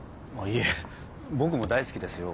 いえ僕も大好きですよ